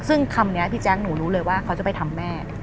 ซึ่งคำนี้พี่แจ๊คหนูรู้เลยว่าเขาจะไปทำแม่